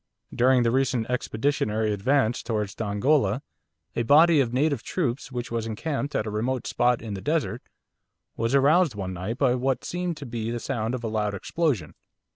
During the recent expeditionary advance towards Dongola, a body of native troops which was encamped at a remote spot in the desert was aroused one night by what seemed to be the sound of a loud explosion.